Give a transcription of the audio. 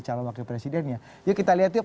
calon wakil presiden ya yuk kita lihat tuh